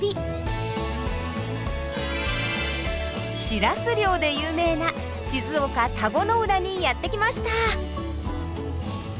シラス漁で有名な静岡・田子の浦にやってきました。